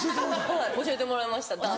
はい教えてもらいました。